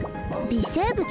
微生物？